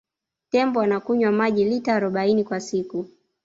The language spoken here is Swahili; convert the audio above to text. tembo anakunywa maji lita arobaini kwa siku